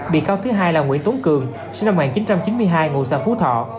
bị cao thứ hai là nguyễn tốn cường sinh năm một nghìn chín trăm chín mươi hai ngụ xã phú thọ